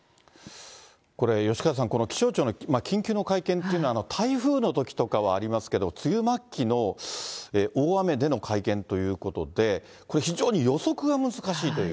これ、吉川さん、この気象庁の緊急の会見というのは、台風のときとかはありますけど、梅雨末期の大雨での会見ということで、これ、非常に予測が難しいという。